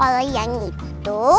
oleh yang itu